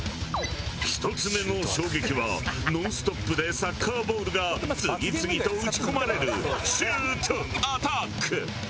１つ目の衝撃はノンストップでサッカーボールが次々と撃ち込まれるシュートアタック。